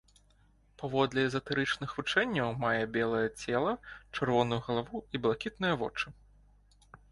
Паводле эзатэрычных вучэнняў мае белае цела, чырвоную галаву і блакітныя вочы.